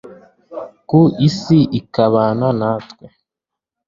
ku isi kubana natwe